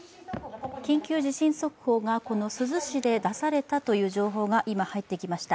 緊急地震速報が珠洲市で出されたという情報が今、入ってきました。